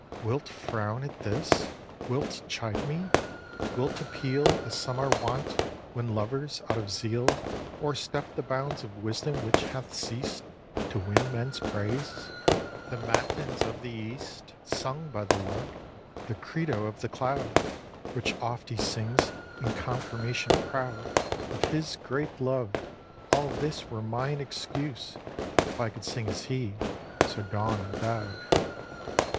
xii. Wilt frown at this? Wilt chide me? Wilt appeal, As some are wont, when lovers, out of zeal, O'erstep the bounds of wisdom which hath ceased To win men's praise? The Matins of the East Sung by the lark, the Credo of the Cloud Which oft he sings in confirmation proud Of his great love, all this were mine excuse If I could sing as he, so dawn endow'd.